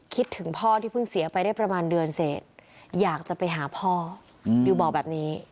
ถึงพ่อที่เพิ่งเสียไปได้ประมาณเดือนเสร็จอยากจะไปหาพ่อดิวบอกแบบนี้